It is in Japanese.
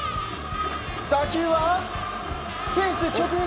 打球はフェンス直撃。